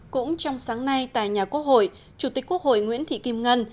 cũng trong sáng nay tại nhà quốc hội chủ tịch quốc hội nguyễn thị kim ngân